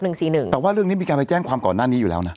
แต่ว่าเรื่องนี้มีการไปแจ้งความก่อนหน้านี้อยู่แล้วนะ